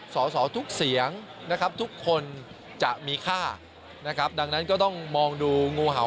สอสอทุกเสียงทุกคนจะมีค่าดังนั้นก็ต้องมองดูงูเห่า